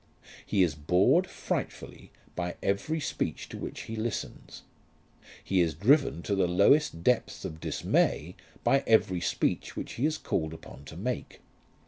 He is bored frightfully by every speech to which he listens. He is driven to the lowest depths of dismay by every speech which he is called upon to make.